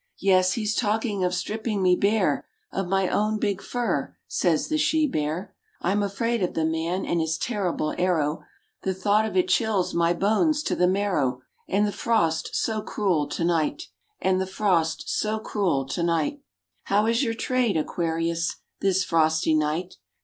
'Yes, he's talking of stripping me bare Of my own big fur," says the She bear, "I'm afraid of the man and his terrible arrow: The thought of it chills my bones to the marrow, And the frost so cruel to night! And the frost so cruel to night!" "How is your trade, Aquarius, This frosty night?"